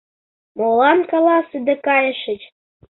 — Молан каласыде кайышыч?